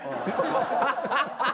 ハハハハ！